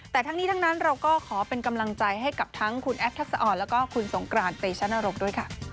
แต่ทั้งนี้ทั้งนั้นเราก็ขอเป็นกำลังใจให้กับทั้งคุณแอฟทักษะอ่อนแล้วก็คุณสงกรานเตชนรงค์ด้วยค่ะ